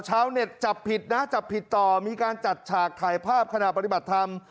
ชาวเน็ตจับผิดนะจับผิดต่อมีการจัดฉากถ่ายภาพขณะปฏิบัติธรรม